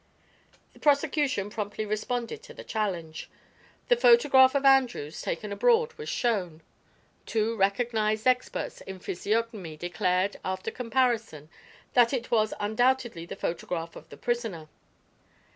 The prosecution promptly responded to the challenge. The photograph of Andrews, taken abroad, was shown. Two recognized experts in physiognomy declared, after comparison, that it was undoubtedly the photograph of the prisoner.